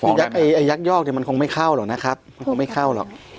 ฟ้องได้ไหมยักษ์ยอกเดี๋ยวมันคงไม่เข้าหรอกนะครับมันคงไม่เข้าหรอก